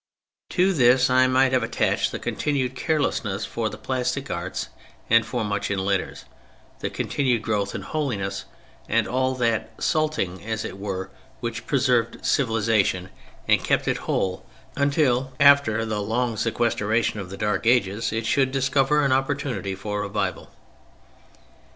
To this I might have attached the continued carelessness for the plastic arts and for much in letters, the continued growth in holiness, and all that "salting," as it were, which preserved civilization and kept it whole until, after the long sequestration of the Dark Ages, it should discover an opportunity for revival.